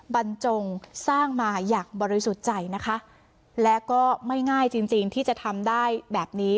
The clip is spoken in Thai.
บรรจงสร้างมาอย่างบริสุทธิ์ใจนะคะและก็ไม่ง่ายจริงจริงที่จะทำได้แบบนี้